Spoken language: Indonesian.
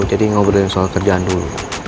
jadi ngobrolin soal kerjaan dulu